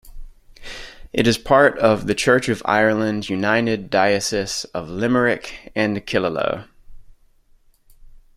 It is part of the Church of Ireland united Diocese of Limerick and Killaloe.